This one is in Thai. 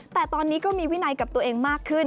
แต่ตอนนี้ก็มีวินัยกับตัวเองมากขึ้น